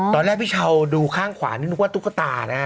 ตอนแรกพี่เช้าดูข้างขวานี่นึกว่าตุ๊กตานะฮะ